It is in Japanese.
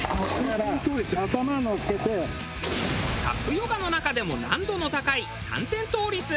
サップヨガの中でも難度の高い三点倒立。